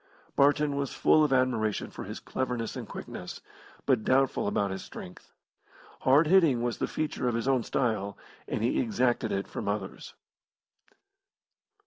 Barton was full of admiration for his cleverness and quickness, but doubtful about his strength. Hard hitting was the feature of his own style, and he exacted it from others.